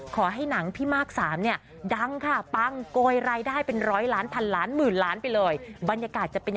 ขอให้หนังพิมาร์ค๓ดังค่ะปังโกยรายได้เป็นร้อยล้านพันล้านหมื่นล้านไปเลย